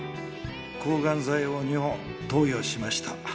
抗がん剤を２本投与しました。